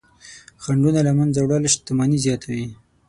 خنډونه له منځه وړل شتمني زیاتوي.